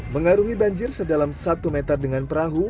mengarungi banjir sedalam satu meter dengan perahu